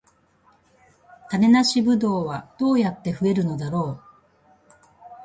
種なしブドウはどうやって増えるのだろう